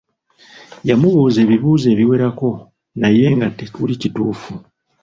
Yamubuuza ebibuuzo ebiwerako naye nga tekuli kituufu.